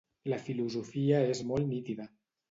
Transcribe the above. La filosofia és molt nítida.